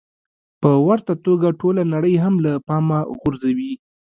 په ورته توګه ټوله نړۍ هم له پامه غورځوي.